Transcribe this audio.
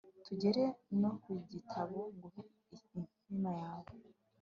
tugere no ku gitabo nguhe inkima yawe